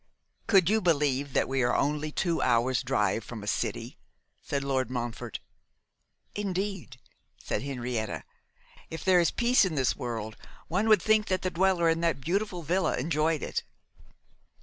'Could you believe we were only two hours' drive from a city?' said Lord Montfort. 'Indeed,' said Henrietta, 'if there be peace in this world, one would think that the dweller in that beautiful villa enjoyed it.